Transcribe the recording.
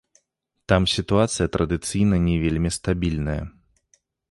Там сітуацыя традыцыйна не вельмі стабільная.